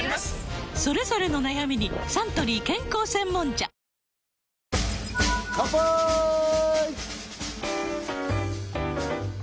それぞれの悩みにサントリー健康専門茶カンパーイ！